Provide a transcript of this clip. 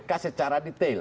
ataupun kpk secara detail